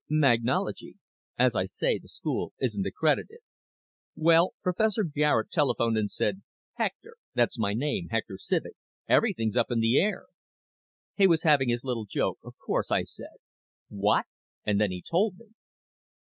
"Magnology. As I say, the school isn't accredited. Well, Professor Garet telephoned and said, 'Hector' that's my name, Hector Civek 'everything's up in the air.' He was having his little joke, of course. I said, 'What?' and then he told me."